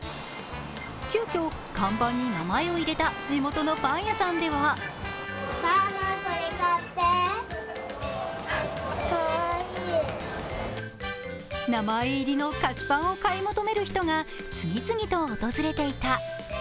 急きょ、看板に名前を入れた地元のパン屋さんでは名前入りの菓子パンを買い求める人が次々と訪れていた。